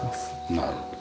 なるほど。